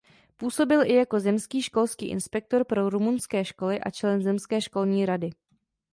Působil i jako zemský školský inspektor pro rumunské školy a člen zemské školské rady.